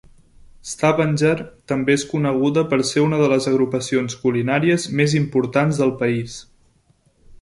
Stavanger també és coneguda per ser una de les agrupacions culinàries més importants del país.